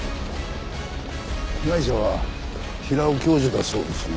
被害者は平尾教授だそうですね。